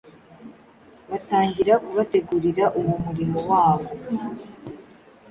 batangira kubategurira uwo murimo wabo.